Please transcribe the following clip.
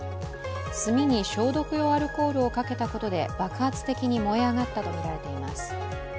炭に消毒用アルコールをかけたことで爆発的に燃え上がったとみられています。